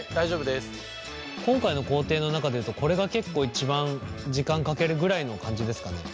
今回の工程の中で言うとこれが結構一番時間かけるぐらいの感じですかね？